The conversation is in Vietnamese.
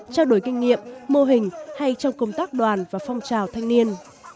trao đổi kinh nghiệm mô hình hay trong công tác đoàn và phong trào thanh niên